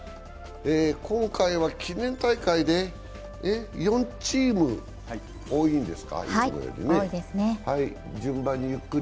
今回は記念大会で４チーム多いんですか、いつもより。